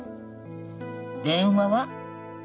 電話は？